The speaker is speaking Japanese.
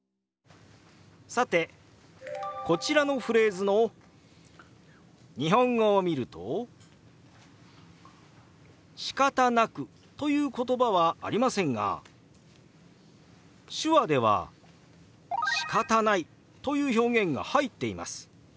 さてこちらのフレーズの日本語を見ると「しかたなく」という言葉はありませんが手話では「しかたない」という表現が入っています。